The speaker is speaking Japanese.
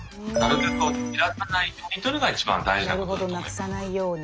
なくさないように。